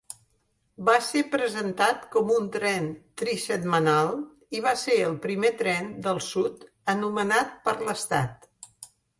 Va ser presentat com un tren trisetmanal i va ser el primer tren del sud anomenat per l'estat.